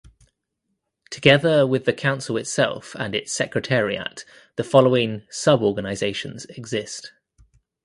Together with the council itself and its secretariat the following (sub)organisations exist.